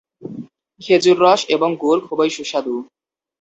খেজুর রস এবং গুড় খুবই সুস্বাদু।